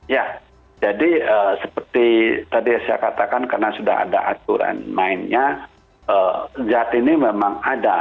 ya jadi seperti tadi saya katakan karena sudah ada aturan mainnya zat ini memang ada